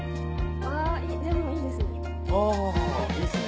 あでもいいですね。